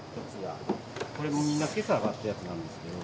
これ、みんな今朝揚がったやつなんですけど。